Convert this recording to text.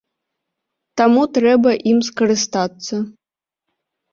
Таму трэба ім скарыстацца.